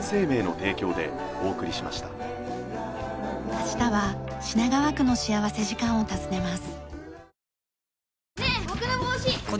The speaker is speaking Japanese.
明日は品川区の幸福時間を訪ねます。